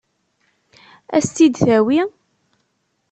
Ad s-tt-id-tawi?